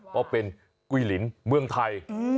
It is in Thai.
เพราะเป็นกุ้ยลินเมืองไทย